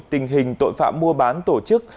tình hình tội phạm mua bán tổ chức